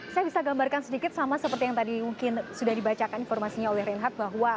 saya bisa gambarkan sedikit sama seperti yang tadi mungkin sudah dibacakan informasinya oleh reinhardt bahwa